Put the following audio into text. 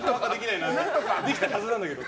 できたはずなんだけど！